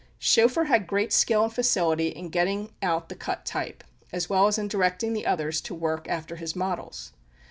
Schoeffer had great skill and facility in getting out the cut type, as well as in directing others to work after his models.